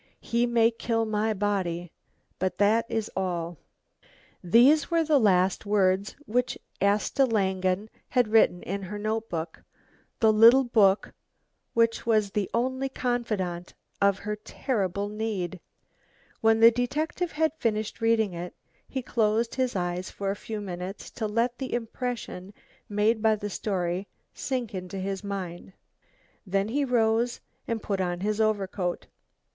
He may kill my body, but that is all " These were the last words which Asta Langen had written in her notebook, the little book which was the only confidant of her terrible need. When the detective had finished reading it, he closed his eyes for a few minutes to let the impression made by the story sink into his mind. Then he rose and put on his overcoat.